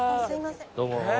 どうもー。